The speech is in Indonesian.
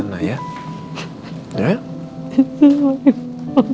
supaya roy juga tenang disana ya